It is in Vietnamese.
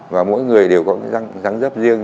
và mỗi người đều có cái răng rấp riêng